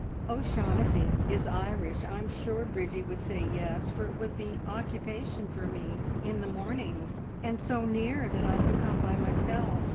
"O'Shaughnessy. It's Irish! I'm sure Bridgie would say yes, for it would be occupation for me in the mornings, and so near that I could come by myself.